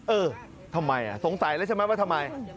เออทำไมสงสัยแล้วใช่ไหมว่าทำไม